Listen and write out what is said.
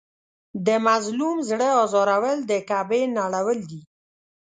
د مظلوم زړه ازارول د کعبې نړول دي.